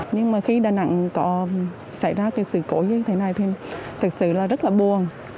nhưng mà khi đà nẵng có xảy ra cái sự cố như thế này thì thực sự là rất là buồn